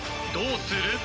どうする？］